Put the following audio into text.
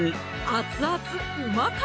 熱々うま辛！